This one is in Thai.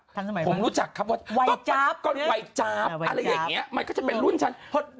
ผมรู้จักว่าก่อนวัยฉาบมากมายก็จะเป็นรุ่นชั้น